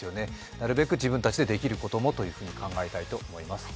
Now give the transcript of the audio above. なるべく自分たちでできることもというふうに考えたいと思います。